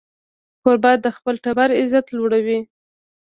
کوربه د خپل ټبر عزت لوړوي.